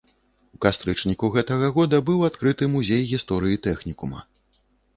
У кастрычніку гэтага года быў адкрыты музей гісторыі тэхнікума.